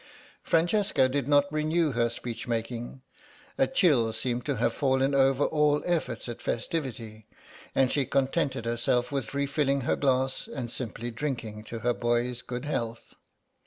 Francesca did not renew her speech making; a chill seemed to have fallen over all efforts at festivity, and she contented herself with refilling her glass and simply drinking to her boy's good health.